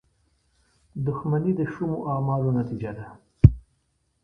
• دښمني د شومو اعمالو نتیجه ده.